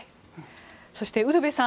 そして、ウルヴェさん